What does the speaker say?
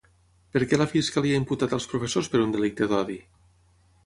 Per què la fiscalia ha imputat als professors per un delicte d'odi?